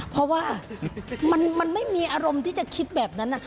เพราะว่ามันไม่มีอารมณ์ที่จะคิดแบบนั้น